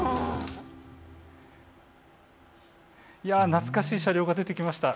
懐かしい車両が出てきました。